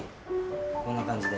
こんな感じで。